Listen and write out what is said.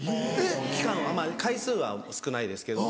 期間はまぁ回数は少ないですけども。